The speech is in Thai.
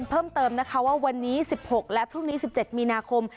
เพิ่มเติมนะคะว่าวันนี้๑๖และพรุ่งนี้๑๗มีนาคม